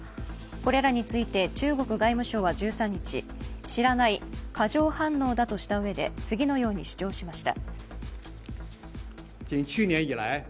これらについて中国外務省は１３日、知らない、過剰反応だとしたうえで次のように主張しました。